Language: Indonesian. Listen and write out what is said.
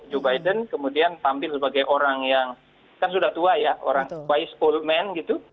joe biden kemudian tampil sebagai orang yang kan sudah tua ya orang wise oldman gitu